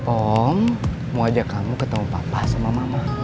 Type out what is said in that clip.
om mau ajak kamu ketemu papa sama mama